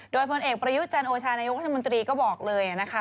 โดยผลเอกประยุจันโอชาณายุทธมนตรีก็บอกเลยนะคะ